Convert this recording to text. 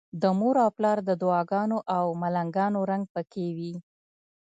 د مور او پلار د دعاګانو او ملنګانو رنګ پکې وي.